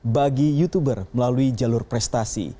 bagi youtuber melalui jalur prestasi